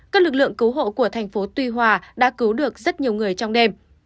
các lực lượng cứu hộ của tp tuy hòa đã cứu được rất nhiều người trong đêm